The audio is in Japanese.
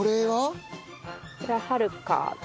はるか。